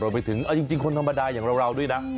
ไปถึงเอาจริงคนธรรมดาอย่างเราด้วยนะ